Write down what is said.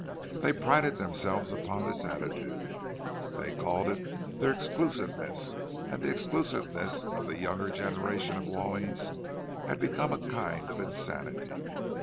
They prided themselves upon this attitude—they called it their "exclusiveness"; and the exclusiveness of the younger generations of Wallings had become a kind of insanity.